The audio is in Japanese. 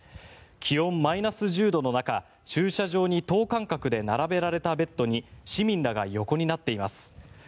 気温マイナス１０度の中駐車場に等間隔で並べられたベッドに市民らが横になっています。